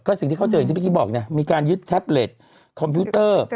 สิ่งที่เขาเจออย่างที่เมื่อกี้บอกเนี่ยมีการยึดแท็บเล็ตคอมพิวเตอร์